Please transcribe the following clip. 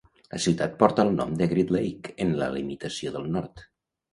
La ciutat porta el nom de Great Lake en la limitació del nord.